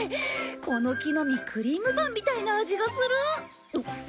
この木の実クリームパンみたいな味がする。